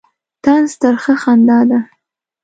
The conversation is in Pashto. طنز ترخه خندا ده.